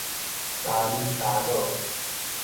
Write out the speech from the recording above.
咖哩咖咾